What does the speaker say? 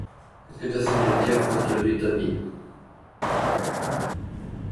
Cred că această energie a fost cheltuită bine.